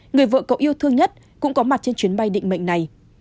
người vợ cậu yêu thương nhất cũng có mặt trên chuyến bay định mệnh này